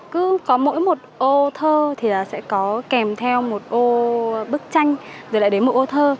cứ có mỗi một ô thơ thì sẽ có kèm theo một ô bức tranh rồi lại đến một ô thơ